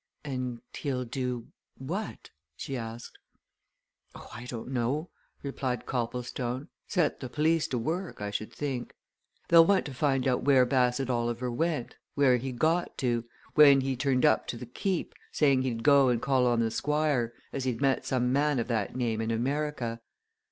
"And he'll do what?" she asked. "Oh, I don't know," replied Copplestone. "Set the police to work, I should think. They'll want to find out where Bassett Oliver went, where he got to, when he turned up to the Keep, saying he'd go and call on the Squire, as he'd met some man of that name in America.